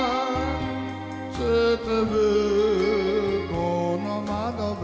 「つつむこの窓辺に」